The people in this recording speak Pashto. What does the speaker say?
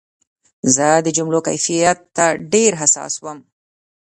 زه د جملو کیفیت ته ډېر حساس وم.